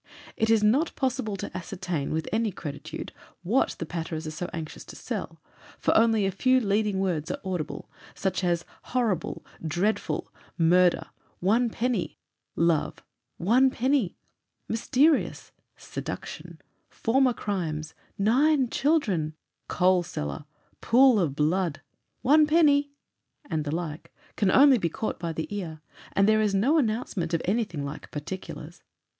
It is not possible to ascertain with any creditude what the patterers are so anxious to sell, for only a few leading words are audible, as 'Horrible,' 'Dreadful,' 'Murder,' 'One penny,' 'Love,' 'One penny,' 'Mysterious,' 'Seduction,' 'Former crimes,' 'Nine children,' 'Coal cellar,' 'Pool of blood,' 'One penny,' and the like, can only be caught by the ear, and there is no announcement of anything like 'particulars.